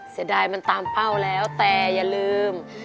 เสียดายมันตามเป้าแล้วแต่อย่าลืม